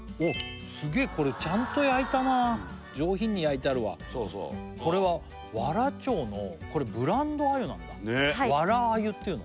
すげえこれちゃんと焼いたな上品に焼いてあるわそうそうこれは和良町のこれブランド鮎なんだ和良鮎っていうの？